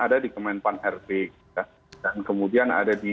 ada di kemenpan rb dan kemudian ada di